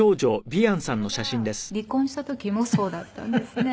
もっと言えば離婚した時もそうだったんですね。